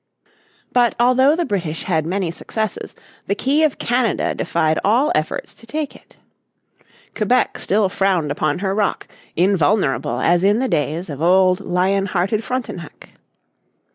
But although the British had many successes the key of Canada defied all efforts to take it. Quebec still frowned upon her rock, invulnerable as in the days of old lion hearted Frontenac.